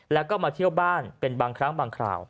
แล้วก็มาเที่ยวบ้านเป็นบางครั้งบางคราว